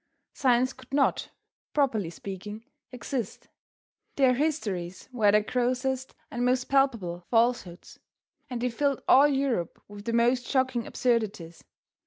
Science could not, properly speaking, exist. Their histories were the grossest and most palpable falsehoods, and they filled all Europe with the most shocking absurdities.